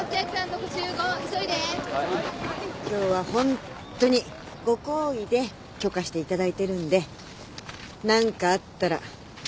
今日はホントにご厚意で許可していただいてるんで何かあったら絶対許さないからね。